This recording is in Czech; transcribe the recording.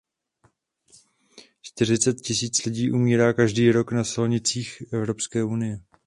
Čtyřicet tisíc lidí umírá každý rok na silnicích Evropské unie.